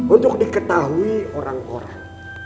untuk diketahui orang orang